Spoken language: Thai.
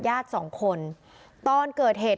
ญาติสองคนตอนเกิดเหตุ